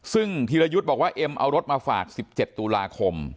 ซึ่งธีรยุทธ์บอกว่าเอ็มเอารถมาฝาก๑๗ตุลาคม